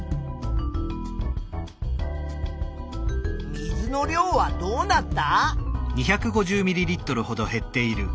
水の量はどうなった？